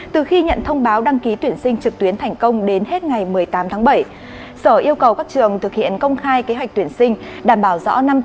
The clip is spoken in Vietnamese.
từ khi nhận thông báo đăng ký tuyển sinh trực tuyến thành công